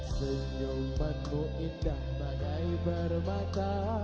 senyumanmu indah bagai bermata